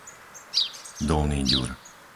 Dolný Ďur